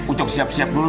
ucok siap siap dulu